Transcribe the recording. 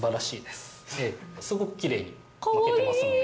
すごくきれいに巻けてますので。